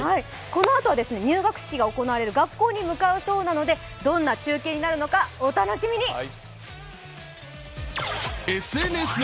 このあとは入学式が行われる学校に向かうそうなんでどんな中継になるのかお楽しみに。